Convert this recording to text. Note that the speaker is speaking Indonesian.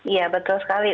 iya betul sekali